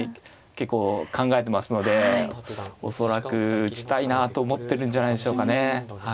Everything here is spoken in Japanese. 結構考えてますので恐らく打ちたいなあと思ってるんじゃないでしょうかね。